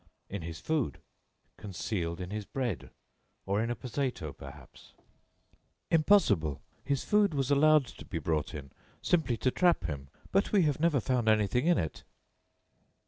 "In his food. Concealed in his bread or in a potato, perhaps." "Impossible. His food was allowed to be brought in simply to trap him, but we have never found anything in it."